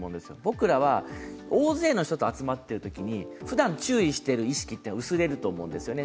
僕らは大勢の人と集まってるときにふだん注意している意識って薄れると思うんですよね。